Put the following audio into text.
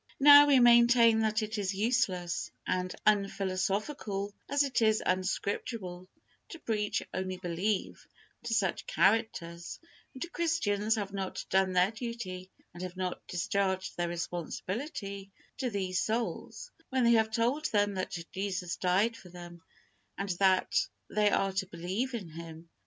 Now, we maintain that it is useless, and as unphilosophical as it is unscriptural, to preach "only believe" to such characters; and Christians have not done their duty, and have not discharged their responsibility to these souls, when they have told them that Jesus died for them, and that they are to believe in Him!